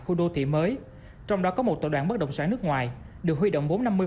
khu đô thị mới trong đó có một tập đoàn bất động sản nước ngoài được huy động